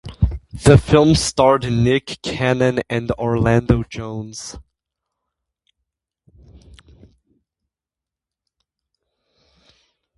The film starred Nick Cannon and Orlando Jones.